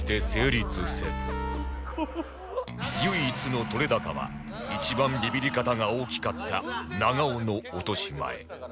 唯一の撮れ高は一番ビビり方が大きかった長尾の落とし前